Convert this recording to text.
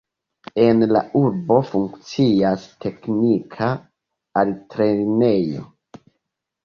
En la urbo funkcias teknika altlernejo.